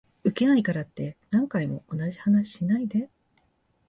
ウケないからって何回も同じ話しないで